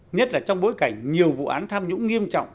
nhất là trong bối cảnh nhiều vụ án tham nhũng nghiêm trọng